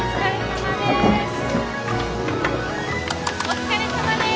お疲れさまです。